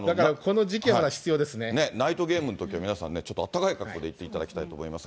ナイトゲームのときは、皆さんね、ちょっとあったかい格好で行っていただきたいと思いますが。